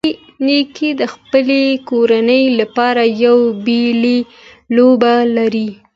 نیکه د خپلې کورنۍ لپاره یو بېلې لوبه لري.